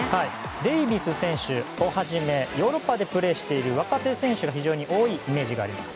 デイビス選手をはじめヨーロッパでプレーしている若手選手が非常に多いイメージがあります。